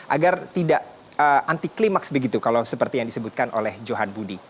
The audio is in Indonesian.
agar tidak anti klimaks begitu kalau seperti yang disebutkan oleh johan budi